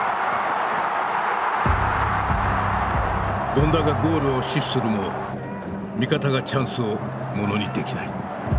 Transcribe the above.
権田がゴールを死守するも味方がチャンスをものにできない。